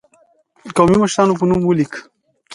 قومي مشرانو په نوم ولیک.